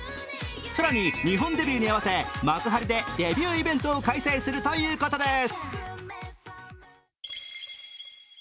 さらに日本デビューに合わせ幕張でデビューイベントを開催するということです。